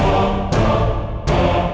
tenang tenang tenang